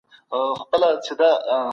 زه به همېشه د حق لاره تعقيب کړم.